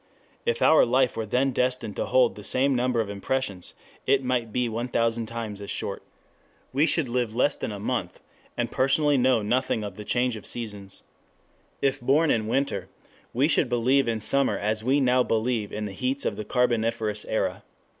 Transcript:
] if our life were then destined to hold the same number of impressions, it might be 1000 times as short. We should live less than a month, and personally know nothing of the change of seasons. If born in winter, we should believe in summer as we now believe in the heats of the carboniferous era.